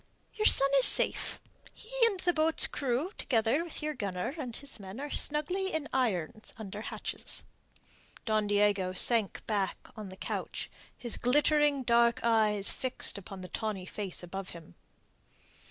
"Your son is safe; he and the boat's crew together with your gunner and his men are snugly in irons under hatches." Don Diego sank back on the couch, his glittering dark eyes fixed upon the tawny face above him.